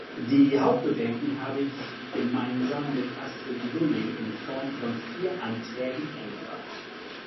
Die Hauptbedenken habe ich gemeinsam mit Astrid Lulling in Form von vier Anträgen eingebracht.